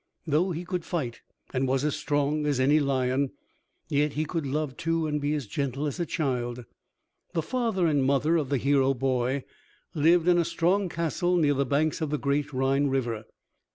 Though he could fight, and was as strong as any lion, yet he could love too and be as gentle as a child. The father and mother of the hero boy lived in a strong castle near the banks of the great Rhine river.